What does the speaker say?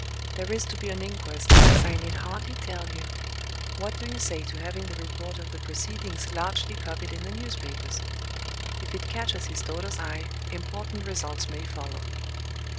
There is to be an inquest, as I need hardly tell you. What do you say to having the report of the proceedings largely copied in the newspapers? If it catches his daughter's eye, important results may follow."